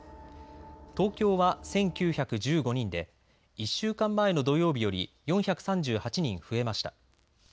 東京は１９１５人で１週間前の土曜日より４３８人増えました。